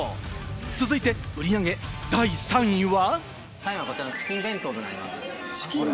続いて売り上げ第３位は。